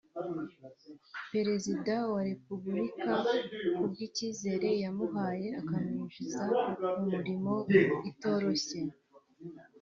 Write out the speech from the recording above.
Perezida wa Repubulika ku bw’ikizere yamuhaye akamwinjiza mu mirimo itoroshye